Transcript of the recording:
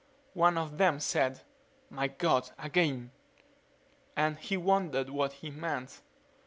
One of them said, "My God again!" and he wondered what he meant.